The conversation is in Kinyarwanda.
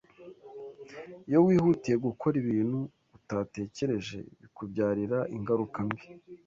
iyo wihutiye gukora ibintu utatekereje bikubyarira ingaruka mbi